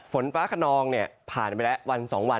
ฝนฟ้าคนนองสองวันผ่านไปแล้ว